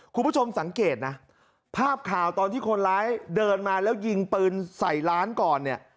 คุณผู้ชมสังเกตนะภาพข่าวตอนที่คนร้ายเดินมาแล้วยิงปืนใส่ร้านก่อนเนี่ย